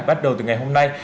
bắt đầu từ ngày hôm nay